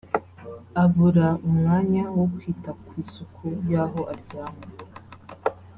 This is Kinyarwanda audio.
abura umwanya wo kwita ku isuku y’aho aryama